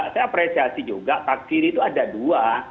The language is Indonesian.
saya apresiasi juga takfiri itu ada dua